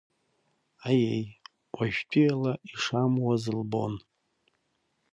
Аиеи, уажәтәиала ишамуаз лбон.